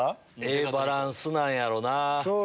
ええバランスなんやろな。